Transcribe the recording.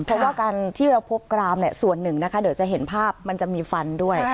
เพราะว่าการที่เราพบกรามส่วนหนึ่งนะคะเดี๋ยวจะเห็นภาพมันจะมีฟันด้วย